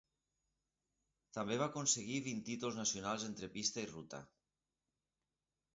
També va aconseguir vint títols nacionals entre pista i ruta.